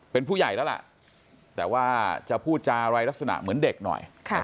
เป็นผู้ใหญ่แล้วล่ะแต่ว่าจะพูดจาอะไรลักษณะเหมือนเด็กหน่อย